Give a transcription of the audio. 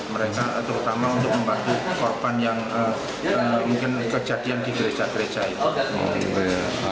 mereka terutama untuk membantu korban yang mungkin kejadian di gereja gereja itu